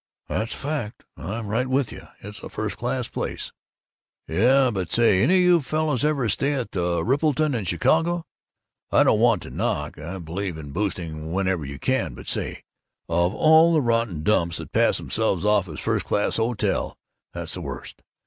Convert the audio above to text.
"That's a fact. I'm right with you. It's a first class place." "Yuh, but say, any of you fellows ever stay at the Rippleton, in Chicago? I don't want to knock I believe in boosting wherever you can but say, of all the rotten dumps that pass 'emselves off as first class hotels, that's the worst.